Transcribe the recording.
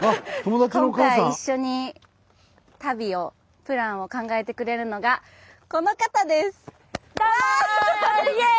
今回一緒に旅をプランを考えてくれるのがこの方です。